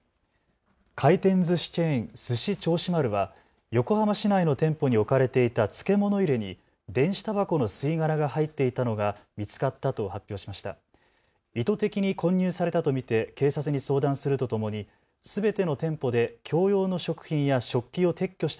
回転ずしチェーン、すし銚子丸は横浜市内の店舗に置かれていた漬物入れに電子たばこの吸い殻が入っていたのが見つかったと発表しました。